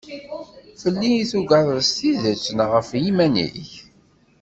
Fell-i i tuggadeḍ s tidet neɣ ɣef yiman-ik?